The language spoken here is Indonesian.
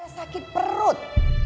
saya sakit perut